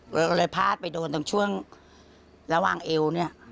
ก็เลยพลาดไปโดนตรงช่วงระหว่างเอวเนี่ย